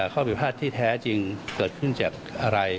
ข้อผิดพลาดที่แท้จริงเกิดขึ้นจากอะไร